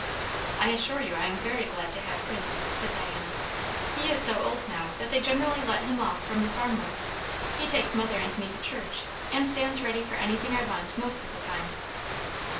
"I assure you I am very glad to have Prince," said Diana. "He is so old now that they generally let him off from the farm work. He takes mother and me to church, and stands ready for anything I want most of the time."